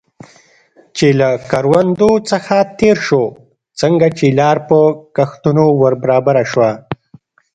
چې له کروندو څخه تېر شو، څنګه چې لار په کښتونو ور برابره شوه.